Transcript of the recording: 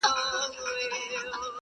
په دربار کي که ولاړ ډنډه ماران وه!